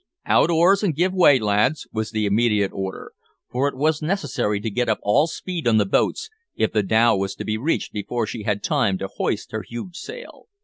"Out oars and give way, lads," was the immediate order; for it was necessary to get up all speed on the boats if the dhow was to be reached before she had time to hoist her huge sail.